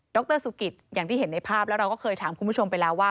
รสุกิตอย่างที่เห็นในภาพแล้วเราก็เคยถามคุณผู้ชมไปแล้วว่า